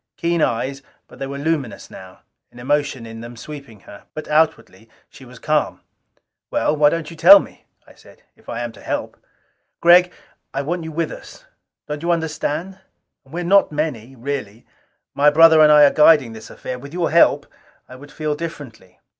Keen eyes, but they were luminous now an emotion in them sweeping her. But outwardly she was calm. "Well, why don't you tell me?" I said. "If I am to help...." "Gregg, I want you with us. Don't you understand. And we are not many, really. My brother and I are guiding this affair. With your help, I would feel differently."